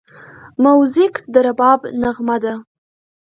موزیک د رباب نغمه ده.